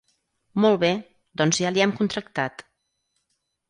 Molt bé, doncs ja li hem contractat.